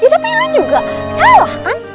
tapi lu juga salah kan